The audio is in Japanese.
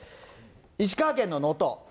石川県の能登。